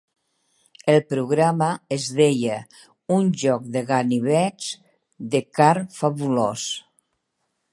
El programa es deia "Un joc de ganivets de carn fabulós".